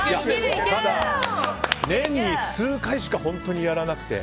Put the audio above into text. ただ、年に数回しか本当にやらなくて。